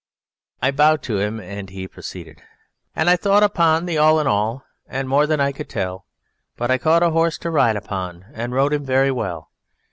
I bowed to him, and he proceeded: _And I thought about the all in all, and more than I could tell; But I caught a horse to ride upon and rode him very well.